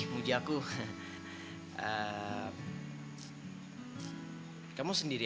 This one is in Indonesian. kamu juga sendiri